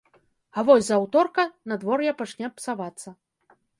А вось з аўторка надвор'е пачне псавацца.